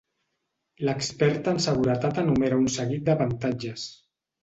L'expert en seguretat enumera un seguit d'avantatges.